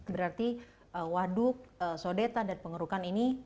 berarti waduk sodeta dan pengurukan ini